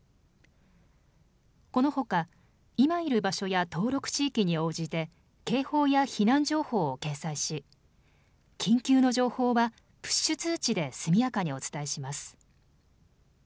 このほか今いる場所や登録地域に応じて警報や避難情報を掲載し緊急の情報はプッシュ通知で速やかにお伝えします。